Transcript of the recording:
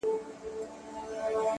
خاموسي تر ټولو قوي ځواب دی,